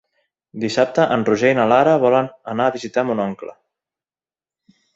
Dissabte en Roger i na Lara volen anar a visitar mon oncle.